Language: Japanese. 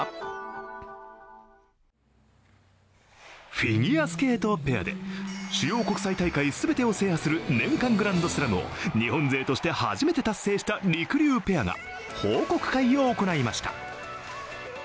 フィギュアスケートペアで主要国際大会全てを制覇する年間グランドスラムを日本勢として初めて達成したりくりゅうペアが報告会を行いました。